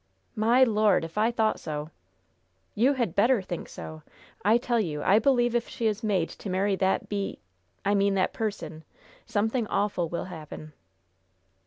"My Lord, if I thought so!" "You had better think so. I tell you I believe if she is made to marry that beat I mean that person something awful will happen."